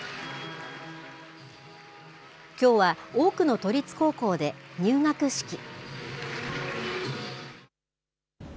きょうは多くの都立高校で入学式。